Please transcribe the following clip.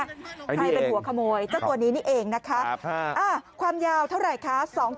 ใครเป็นหัวขโมยเจ้าตัวนี้นี่เองนะคะความยาวเท่าไหร่คะ